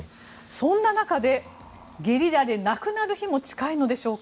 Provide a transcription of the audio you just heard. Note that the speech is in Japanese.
そんな中で、ゲリラでなくなる日も近いのでしょうか。